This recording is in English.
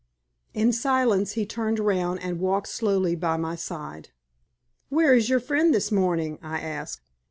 In silence he turned round and walked slowly by my side. "Where is your friend this morning?" I asked.